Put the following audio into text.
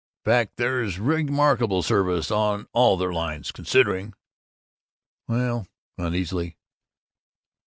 Fact, there's remarkable service on all their lines considering." "Well " uneasily.